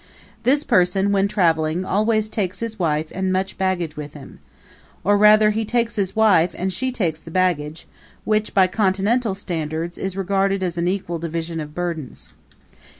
This person, when traveling, always takes his wife and much baggage with him. Or, rather, he takes his wife and she takes the baggage which, by Continental standards, is regarded as an equal division of burdens.